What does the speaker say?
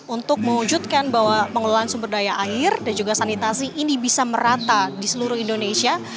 untuk mewujudkan bahwa pengelolaan sumber daya air dan juga sanitasi ini bisa merata di seluruh indonesia